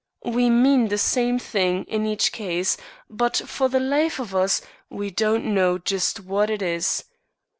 We mean the same thing in each case, but for the life of us we don't know just what it is.